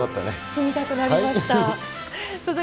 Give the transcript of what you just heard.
住みたくなりました。